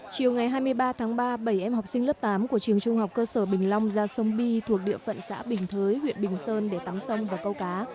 chiều ngày hai mươi ba tháng ba bảy em học sinh lớp tám của trường trung học cơ sở bình long ra sông bi thuộc địa phận xã bình thới huyện bình sơn để tắm sông và câu cá